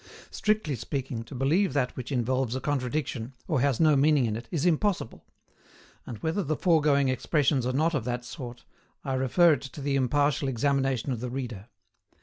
Strictly speaking, to believe that which involves a contradiction, or has no meaning in it, is impossible; and whether the foregoing expressions are not of that sort, I refer it to the impartial examination of the reader.